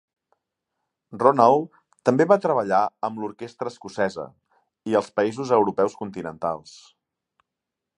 Ronald també va treballar amb l'Orquestra escocesa i als països europeus continentals.